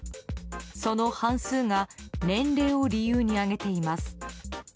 その半数が年齢を理由に挙げています。